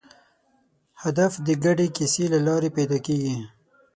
هدف د ګډې کیسې له لارې پیدا کېږي.